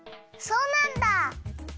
そうなんだ！